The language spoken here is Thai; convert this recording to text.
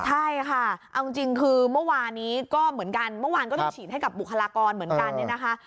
ใช่ค่ะเอาจริงคือเมื่อวานนี้ก็เหมือนกันเมื่อวานก็ต้องฉีดให้กับบุคลากรเหมือนกันเนี่ยนะคะ